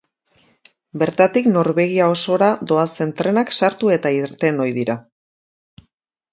Bertatik Norvegia osora doazen trenak sartu eta irten ohi dira.